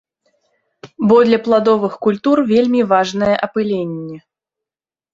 Бо для пладовых культур вельмі важнае апыленне.